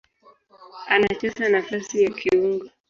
Anacheza nafasi ya kiungo.